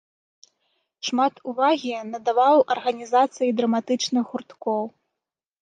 Шмат увагі надаваў арганізацыі драматычных гурткоў.